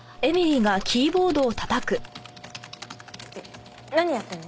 えっ何やってるの？